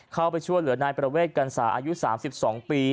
เข้าไปช่วยเหลือนายประเวทกันสาอายุ๓๒ปี